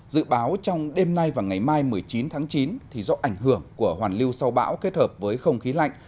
dự báo trong đêm nay và ngày mai một mươi chín tháng chín do ảnh hưởng của hoàn lưu sau bão kết hợp với không khí lạnh